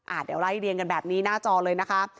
เดี๋ยวไล่เรียงกันแบบนี้หน้าจอเลยนะคะ